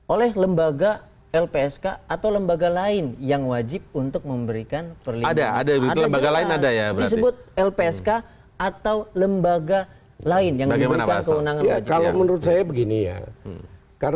oleh lembaga lpsk atau lembaga lain yang wajib untuk memberikan perlindungan